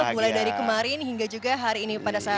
mulai dari kemarin hingga juga hari ini pada saat